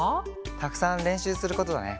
たくさんれんしゅうすることだね。